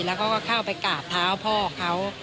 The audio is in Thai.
แล้วเขาก็เข้าไปกราบเท้าพ่อเขา